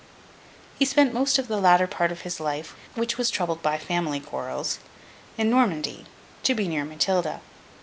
He spent most of the latter part of his life, which was troubled by family quarrels, in Normandy, to be near Matilda.